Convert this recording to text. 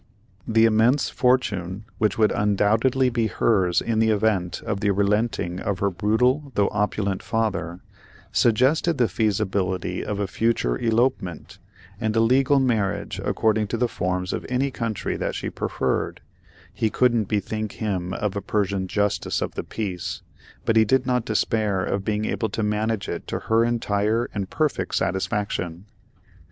The immense fortune which would undoubtedly be hers in the event of the relenting of her brutal though opulent father, suggested the feasibility of a future elopement, and a legal marriage, according to the forms of any country that she preferred—he couldn't bethink him of a Persian justice of the peace, but he did not despair of being able to manage it to her entire and perfect satisfaction.